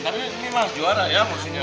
tapi ini mah juara ya musuhnya